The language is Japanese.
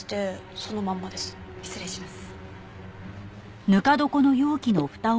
失礼します。